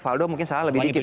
valdo mungkin saya lebih dikit